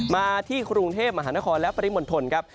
มาที่กรุงเทพมหานครและปริมณฑลครับ